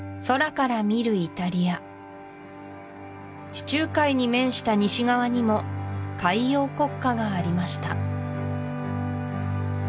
地中海に面した西側にも海洋国家がありました